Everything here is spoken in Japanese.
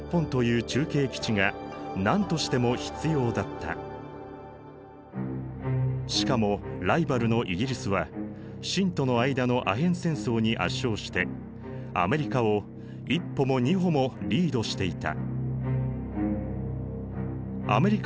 太平洋を横断してしかもライバルのイギリスは清との間のアヘン戦争に圧勝してアメリカを１歩も２歩もリードしていた。